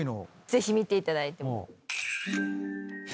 ぜひ見ていただいて。